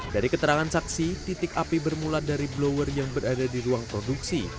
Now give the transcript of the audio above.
dari keterangan saksi titik api bermula dari blower yang berada di ruang produksi